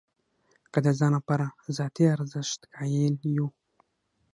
که د ځان لپاره ذاتي ارزښت قایل یو.